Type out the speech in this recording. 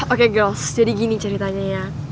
oke gills jadi gini ceritanya ya